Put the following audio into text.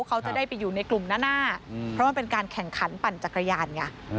เขาจะได้ไปอยู่ในกลุ่มหน้าเพราะมันเป็นการแข่งขันปั่นจักรยานไง